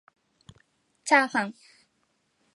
ちゃーはん